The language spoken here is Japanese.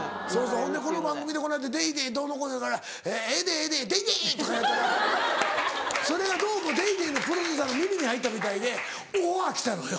ほんでこの番組でこの間『ＤａｙＤａｙ．』どうのこうの言うから「ええでええでデイデイ！」とか言うたらそれがどうも『ＤａｙＤａｙ．』のプロデューサーの耳に入ったみたいでオファー来たのよ。